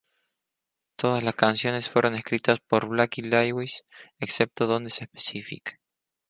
Todas las canciones fueron escritas por Blackie Lawless, excepto donde se especifica.